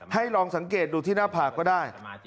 ลองสังเกตดูที่หน้าผากก็ได้